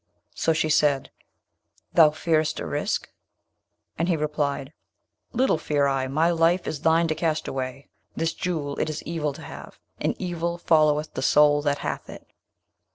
So she said, 'Thou fearest a risk?' And he replied, 'Little fear I; my life is thine to cast away. This Jewel it is evil to have, and evil followeth the soul that hath it.'